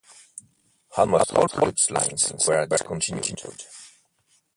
Almost all product lines were discontinued.